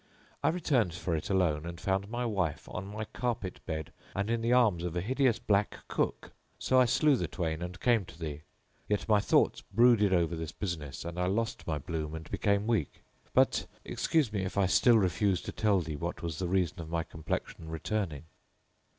I returned for it alone and found my wife on my carpet bed and in the arms of a hideous black cook. So I slew the twain and came to thee, yet my thoughts brooded over this business and I lost my bloom and became weak. But excuse me if I still refuse to tell thee what was the reason of my complexion returning."